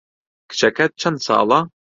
کچەکەت چەند ساڵە؟